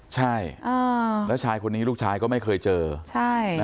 ใช่แล้วชายคนนี้ลูกชายก็ไม่เคยเจอใช่